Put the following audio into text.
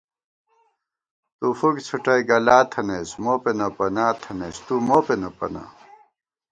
تُوفُک څھُٹَئ گلا تھنَئیس، موپېنہ پنا تھنَئیس تُومو پېنہ پنا